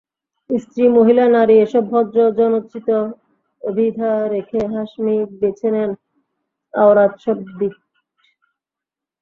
স্ত্রী, মহিলা, নারী—এসব ভদ্র-জনোচিত অভিধা রেখে হাশমি বেছে নেন আওরাত শব্দিট।